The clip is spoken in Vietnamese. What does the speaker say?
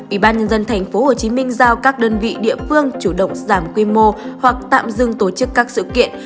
ủy ban nhân dân tp hcm giao các đơn vị địa phương chủ động giảm quy mô hoặc tạm dừng tổ chức các sự kiện